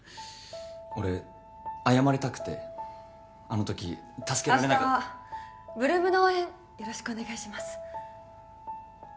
俺謝りたくてあの時助けられなかった明日８ＬＯＯＭの応援よろしくお願いします